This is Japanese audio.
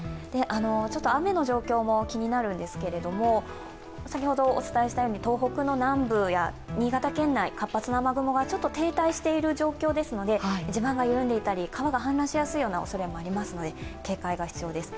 雨の状況も気になるんですけれども先ほどお伝えしたように東北の南部や新潟県内、活発な雨雲がちょっと停滞している状況ですので、地盤が緩んでいたり、川が氾濫しやすいようなおそれもありますので警戒が必要です。